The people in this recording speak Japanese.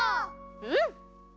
うん！